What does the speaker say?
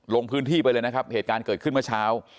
ลงพื้นที่ไปเลยนะครับเหตุการณ์เกิดขึ้นเมื่อเช้า